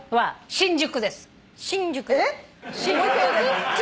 新宿。